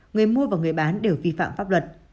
người mua và người bán đều vi phạm pháp luật